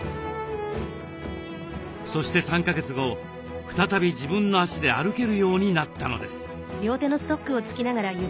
そして３か月後再び自分の足で歩けるようになったのです。